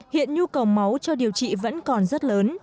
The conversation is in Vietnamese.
hiện nhu cầu máu cho điều trị vẫn còn rất lớn